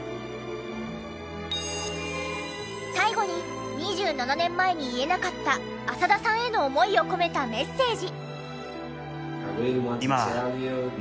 最後に２７年前に言えなかった浅田さんへの思いを込めたメッセージ。